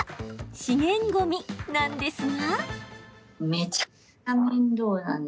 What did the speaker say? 資源ごみ、なんですが。